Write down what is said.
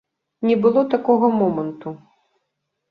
Не было такога моманту.